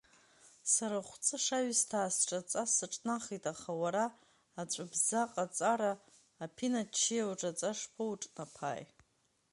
Сара Хәҵыш аҩсҭаа сҿаҵа сыҿнахит, аха уара аҵәыбзаҟаҵара, аԥина ччиа уҿаҵа шԥоуҿнаԥааи?